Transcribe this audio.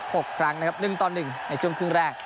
พบ๖ครั้งนะครับ๑ต่อ๑ในช่วงครึ่งแรก